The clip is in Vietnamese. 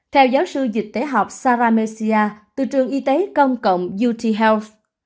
theo giáo sư dịch tế học sarah messia từ trường y tế công cộng ut health